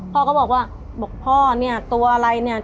พ่อก็บอกว่าบอกพ่อเนี่ยตัวอะไรเนี่ย